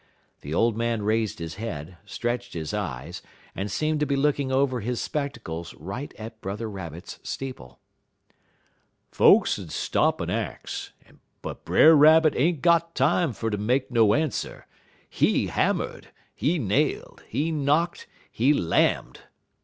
The old man raised his head, stretched his eyes, and seemed to be looking over his spectacles right at Brother Rabbit's steeple. "Folks 'ud stop en ax, but Brer Rabbit ain't got time fer ter make no answer. He hammer'd, he nailed, he knock'd, he lamm'd!